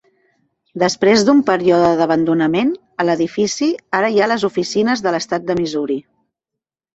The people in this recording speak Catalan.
Després d'un període d'abandonament, a l'edifici ara hi ha les oficines de l'estat de Missouri.